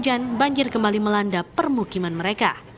jika turun hujan banjir kembali melanda permukiman mereka